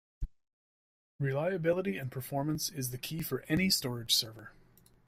Reliability and performance is the key for any storage server.